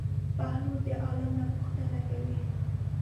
بهلول د عالم نه پوښتنه کوي.